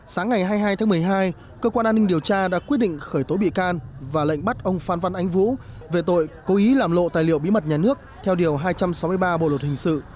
sáng ngày hai mươi hai tháng một mươi hai cơ quan an ninh điều tra đã quyết định khởi tố bị can và lệnh bắt ông phan văn ánh vũ về tội cố ý làm lộ tài liệu bí mật nhà nước theo điều hai trăm sáu mươi ba bộ luật hình sự